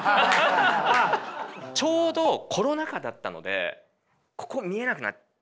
ちょうどコロナ禍だったのでここ見えなくなっちゃう。